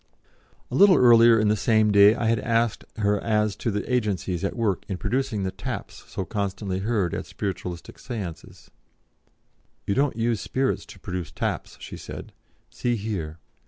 A little earlier in the same day I had asked her as to the agencies at work in producing the taps so constantly heard at Spiritualistic Séances. "You don't use spirits to produce taps," she said; "see here."